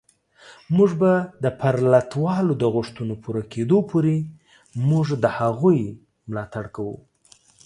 موږ به د پرلتوالو د غوښتنو پوره کېدو پورې موږ د هغوی ملاتړ کوو